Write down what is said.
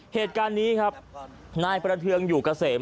เหตุการณ์นี้ครับนายประเทืองอยู่เกษม